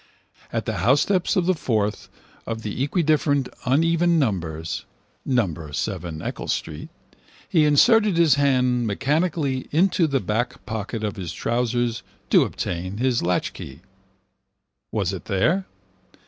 At the housesteps of the 4th of the equidifferent uneven numbers, number 7 Eccles street, he inserted his hand mechanically into the back pocket of his trousers to obtain his latchkey. Was it there?